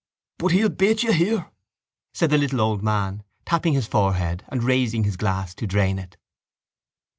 —But he'll beat you here, said the little old man, tapping his forehead and raising his glass to drain it.